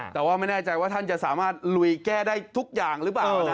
แต่ว่าไม่แน่ใจว่าท่านจะสามารถลุยแก้ได้ทุกอย่างหรือเปล่านะ